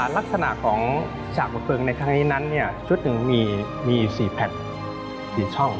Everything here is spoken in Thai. ลักษณะของฉากบังเผลิงในข้างนี้นั้นจุดหนึ่งมีสี่แผ่นสี่ช่อง